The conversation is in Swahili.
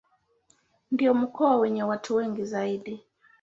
Ndio mkoa wenye watu wengi zaidi.